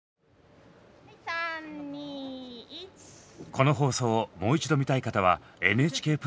この放送をもう一度見たい方はＮＨＫプラスで！